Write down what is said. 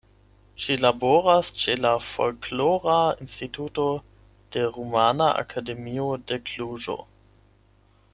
Ŝi laboras ĉe la Folklora Instituto de Rumana Akademio de Kluĵo.